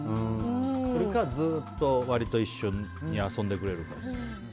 それかずっと割と一緒に遊んでくれるか。